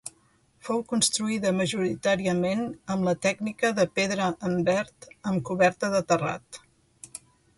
Fou construïda majoritàriament amb la tècnica de pedra en verd amb coberta de terrat.